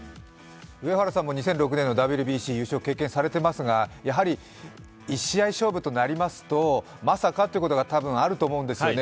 上原さんも２００６年のＷＢＣ優勝を経験されていますがやはり１試合勝負となりますとまさかってことが多分あると思うんですよね。